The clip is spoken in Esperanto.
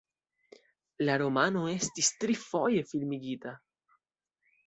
La romano estis trifoje filmigita.